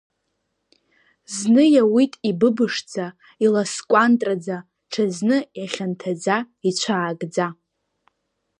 Зны иауит ибыбышӡа, иласкәантраӡа, ҽазны, ихьанҭаӡа, ицәаакӡа.